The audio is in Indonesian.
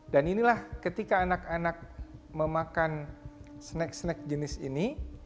inilah ketika anak anak memakan snack snack jenis ini